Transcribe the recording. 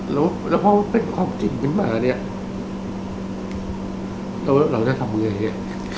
แล้วพอเป็นความจริงนี้มาเนี่ยเราจะทำยังไง